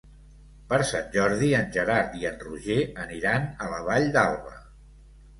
Per Sant Jordi en Gerard i en Roger aniran a la Vall d'Alba.